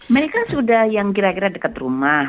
mereka sudah yang kira kira dekat rumah